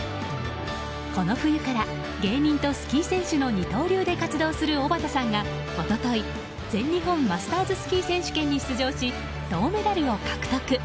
この冬から芸人とスキー選手の二刀流で活動するおばたさんが一昨日全日本マスターズスキー選手権に出場し銅メダルを獲得。